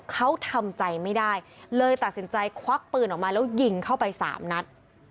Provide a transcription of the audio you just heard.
เขาทำใจไม่ได้เลยตัดสินใจควักปืนออกมาแล้วยิงเข้าไปสามนัด